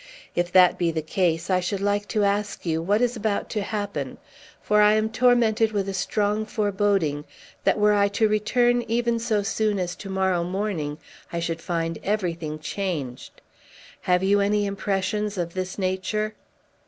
If that be the case, I should like to ask you what is about to happen; for I am tormented with a strong foreboding that, were I to return even so soon as to morrow morning, I should find everything changed. Have you any impressions of this nature?"